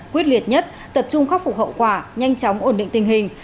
quyết liệt nhất tập trung khắc phục hậu quả nhanh chóng ổn định tình hình